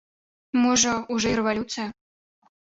Можа, ужо і рэвалюцыя.